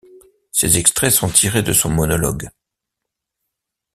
Ces extraits sont tirés de son monologue.